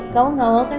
kamu gak mau kan